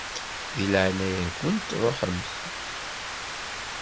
Di leɛnaya-nkent ṛuḥemt!